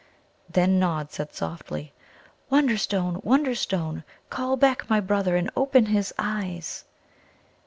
Then Nod said softly: "Wonderstone, Wonderstone! call back my brother and open his eyes."